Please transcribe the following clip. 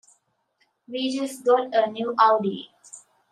We just got a new Audi.